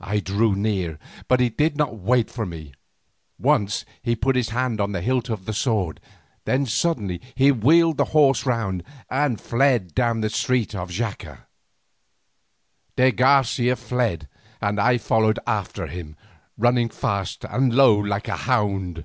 I drew near, but he did not wait for me. Once he put his hand on the hilt of the sword, then suddenly he wheeled his horse round and fled down the street of Xaca. De Garcia fled, and I followed after him, running fast and low like a hound.